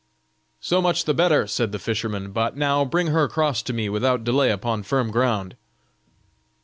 "So much the better," said the fisherman; "but now bring her across to me without delay upon firm ground."